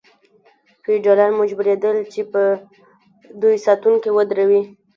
فیوډالان مجبوریدل چې په دوی ساتونکي ودروي.